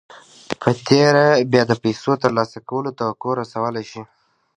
په تېره بيا د پيسو ترلاسه کولو توقع رسولای شئ.